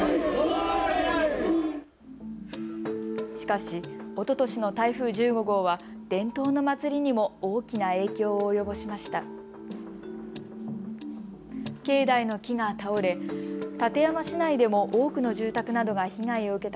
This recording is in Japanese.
しかし、おととしの台風１５号は伝統の祭りにも大きな影響を及ぼしました。